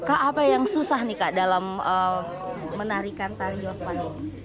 apa yang susah dalam menarikan tari yospan